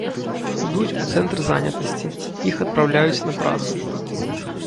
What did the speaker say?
Ідуць у цэнтр занятасці, іх адпраўляюць на працу.